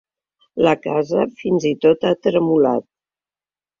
La casa fins i tot ha tremolat.